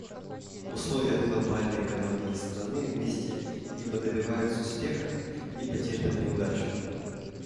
В условиях глобальной экономики страны вместе либо добиваются успеха, либо терпят неудачу.